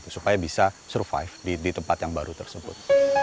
supaya bisa survive di tempat yang baru tersebut